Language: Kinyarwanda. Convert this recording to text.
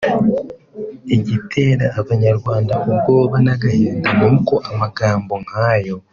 Igitera abanyarwanda ubwoba n’agahinda nuko amagambo nkayo